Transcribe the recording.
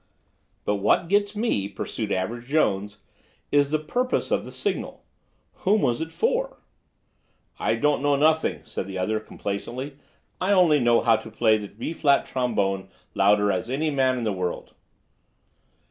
"But what gets me," pursued Average Jones, "is the purpose of the signal. Whom was it for?" "I don't know nothing," said the other complacently. "I only know to play the B flat trombone louder as any man in the world."